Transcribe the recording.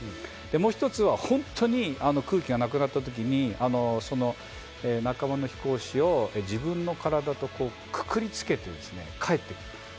もう一つは本当に空気がなくなった時に仲間の飛行士を自分の体とくくりつけて帰ってくる。